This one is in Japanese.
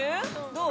どう？